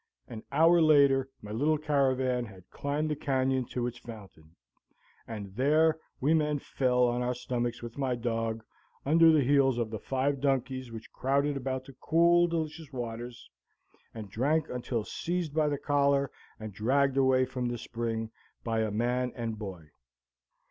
An hour later my little caravan had climbed the canyon to its fountain, and there we men fell on our stomachs with my dog, under the heels of the five donkeys which crowded about the cool, delicious waters, and drank until seized by the collar and dragged away from the spring by a man and boy.